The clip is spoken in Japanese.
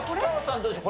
どうでしょう？